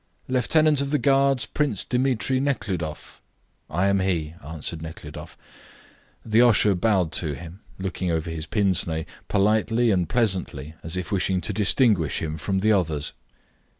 "Lieutenant of the Guards, Prince Dmitri Nekhludoff!" "I am he," answered Nekhludoff. The usher bowed to him, looking over his pince nez, politely and pleasantly, as if wishing to distinguish him from the others.